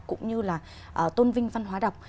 cũng như là tôn vinh văn hóa đọc